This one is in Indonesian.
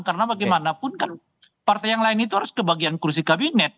karena bagaimanapun kan partai yang lain itu harus ke bagian kursi kabinet